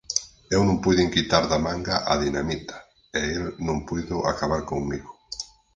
Eu non puiden quitar da manga a dinamita, e el non puido acabar comigo.